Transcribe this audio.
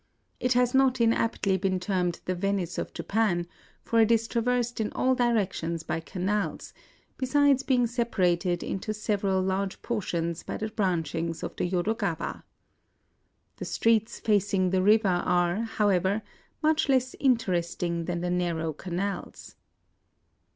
It has not inaptly been termed the Venice of Japan; for it is traversed in all directions by canals, besides IN OSAKA 141 being separated into several large portions by the branchings of the Yodogawa. The streets facing the river are, however, much less inter esting than the narrow canals.